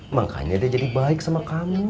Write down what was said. makanya dia jadi baik sama kamu